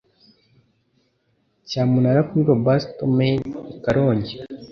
cyamunara kuri lobstermen ikarongi .